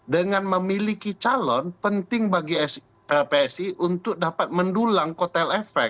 dengan memiliki calon penting bagi psi untuk dapat mendulang kotel efek